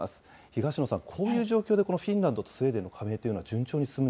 東野さん、こういう状況でフィンランドとスウェーデンの加盟といそうですね。